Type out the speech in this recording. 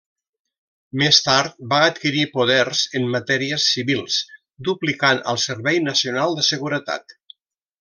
Més tard va adquirir poders en matèries civils, duplicant al Servei Nacional de Seguretat.